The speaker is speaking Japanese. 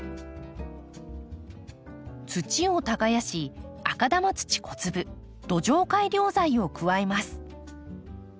土を耕し赤玉土小粒土壌改良剤を加えます。